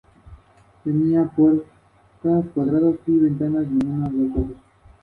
Él recibió un doctorado honorario en letras del Colegio Estatal de Buffalo.